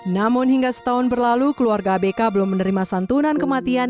namun hingga setahun berlalu keluarga abk belum menerima santunan kematian